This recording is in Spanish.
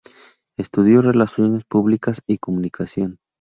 Estudio Relaciones Públicas y Comunicación.